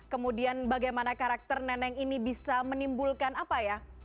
kemudian bagaimana karakter neneng ini bisa menimbulkan apa ya